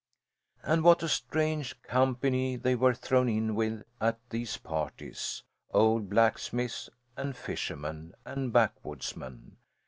And what a strange company they were thrown in with at these Parties old blacksmiths and fishermen and backwoodsmen!